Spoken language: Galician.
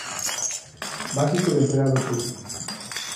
básico do empregado público.